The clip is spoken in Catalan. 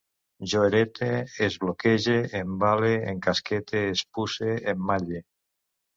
Jo herete, esbroquelle, embale, encasquete, espuce, emmalle